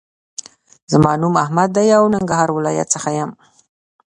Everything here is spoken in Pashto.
زما نوم احمد دې او ننګرهار ولایت څخه یم